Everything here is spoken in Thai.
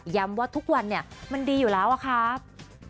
ย้ำว่าทุกวันมันดีอยู่แล้วครับ